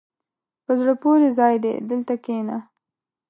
په زړه پورې ځای دی، دلته کښېنه.